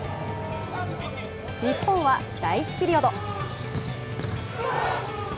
日本は第１ピリオド。